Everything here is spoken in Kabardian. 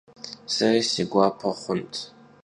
Seri si guape xhunt.